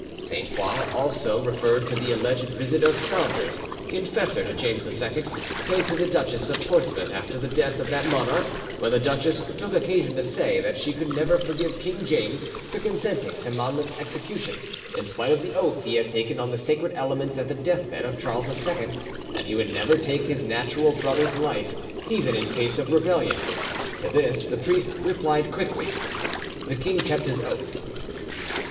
Sainte Foix also referred to the alleged visit of Saunders, confessor to James II, paid to the Duchess of Portsmouth after the death of that monarch, when the duchess took occasion to say that she could never forgive King James for consenting to Monmouth's execution, in spite of the oath he had taken on the sacred elements at the deathbed of Charles II that he would never take his natural brother's life, even in case of rebellion. To this the priest replied quickly, "The king kept his oath."